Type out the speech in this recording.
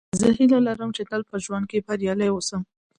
زه هیله لرم، چي تل په ژوند کښي بریالی اوسم.